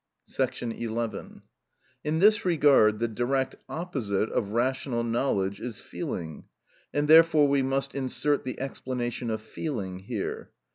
§ 11. In this regard the direct opposite of rational knowledge is feeling, and therefore we must insert the explanation of feeling here.